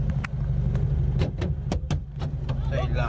โทรศัพท์ที่ถ่ายคลิปสุดท้าย